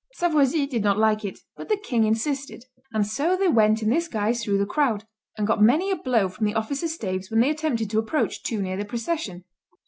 Savoisy did not like it, but the king insisted; and so they went in this guise through the crowd, and got many a blow from the officers' staves when they attempted to approach too near the procession.